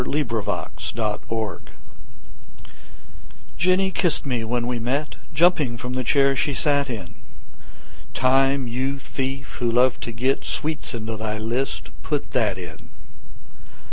Jenny kiss'd Me JENNY kiss'd me when we met, Jumping from the chair she sat in; Time, you thief, who love to get Sweets into your list, put that in!